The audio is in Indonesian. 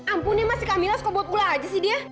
ampun ya mas si kamila suka buat ulah aja sih dia